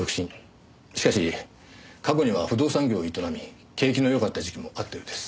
しかし過去には不動産業を営み景気のよかった時期もあったようです。